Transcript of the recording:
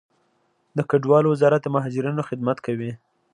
د کډوالو وزارت د مهاجرینو خدمت کوي